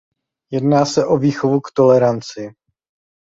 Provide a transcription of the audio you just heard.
Jedná se o výchovu k toleranci.